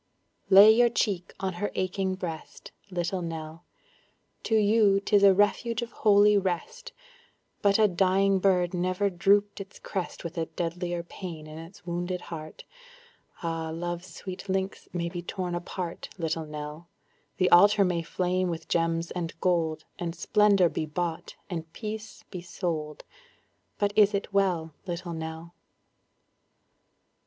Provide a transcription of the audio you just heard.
Lay your cheek on her aching breast, Little Nell; To you 'tis a refuge of holy rest, But a dying bird never drooped its crest With a deadlier pain in its wounded heart; Ah! love's sweet links may be torn apart, Little Nell; The altar may flame with gems and gold, And splendor be bought, and peace be sold, But is it well, Little Nell?